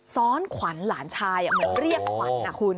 ซ้อนขวัญหลานชายเหมือนเรียกขวัญนะคุณ